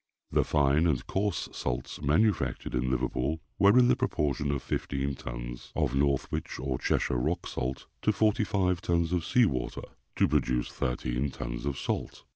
The fine and coarse salts manufactured in Liverpool were in the proportion of fifteen tons of Northwich or Cheshire rock salt to forty five tons of seawater, to produce thirteen tons of salt.